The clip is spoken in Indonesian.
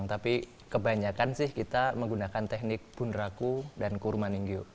tapi kebanyakan sih kita menggunakan teknik buneraku dan kebanyakan teknik yang lainnya